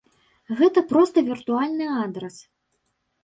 Гэта проста віртуальны адрас!